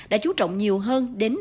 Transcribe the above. đã chú trọng nhiều hơn đến